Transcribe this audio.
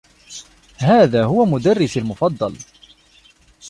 هذا هو مدرّسي المفضّل.